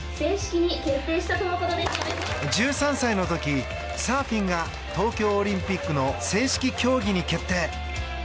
１３歳の時サーフィンが東京オリンピックでの正式種目に決定。